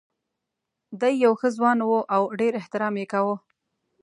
دی یو ښه ځوان و او ډېر احترام یې کاوه.